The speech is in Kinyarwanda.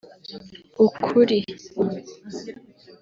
ukuri